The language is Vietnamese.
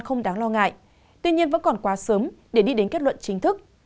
không đáng lo ngại tuy nhiên vẫn còn quá sớm để đi đến kết luận chính thức